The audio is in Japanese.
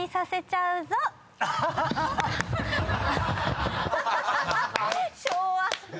アハハハハッ！昭和！